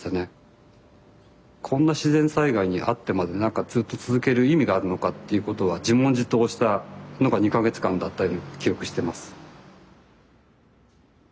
こんな自然災害に遭ってまでなんかずっと続ける意味があるのかっていうことは自問自答したのが２か月間だった記憶してます。